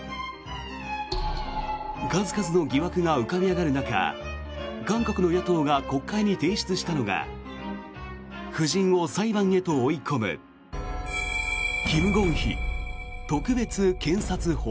数々の疑惑が浮かび上がる中韓国の野党が国会に提出したのが夫人を裁判へと追い込むキム・ゴンヒ特別検察法。